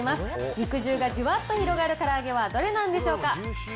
肉汁がじゅわっと広がるから揚げはどれなんでしょうか。